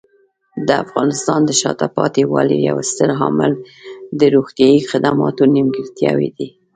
د افغانستان د شاته پاتې والي یو ستر عامل د روغتیايي خدماتو نیمګړتیاوې دي.